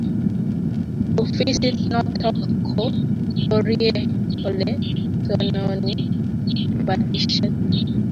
Ofisit notok ko porie ole tononi batishet